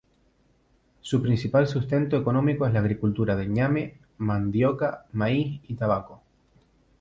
Su principal sustento económico es la agricultura de ñame, mandioca, maíz y tabaco.